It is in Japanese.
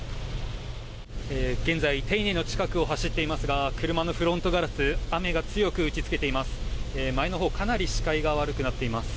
現在、手稲の近くを走っていますが車のフロントガラス雨が強く打ちつけています。